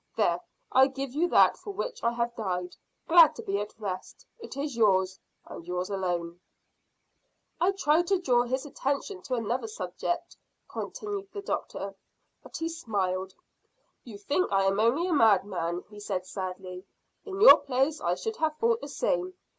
There, I give you that for which I have died, glad to be at rest. It is yours, and yours alone.' "I tried to draw his attention to another subject," continued the doctor, but he smiled. "`You think I am only a madman,' he said sadly. `In your place I should have thought the same.